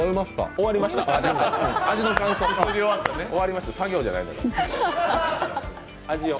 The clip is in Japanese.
終わりました、作業じゃないんだから味を。